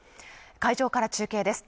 会場から中継です